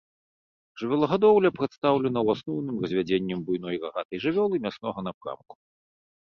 Жывёлагадоўля прадстаўлена ў асноўным развядзеннем буйной рагатай жывёлы мяснога напрамку.